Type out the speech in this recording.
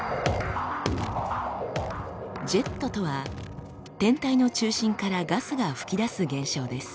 「ジェット」とは天体の中心からガスが噴き出す現象です。